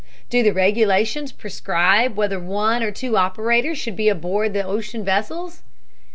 "Do the regulations prescribe whether one or two operators should be aboard the ocean vessels?"